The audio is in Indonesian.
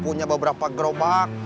punya beberapa gerobak